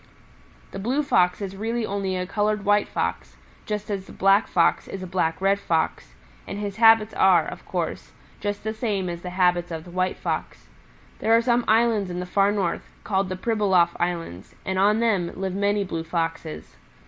"The Blue Fox is really only a colored White Fox, just as the Black Fox is a black Red Fox, and his habits are, of course, just the same as the habits of the White Fox. There are some islands in the Far North, called the Pribilof Islands, and on them live many Blue Foxes.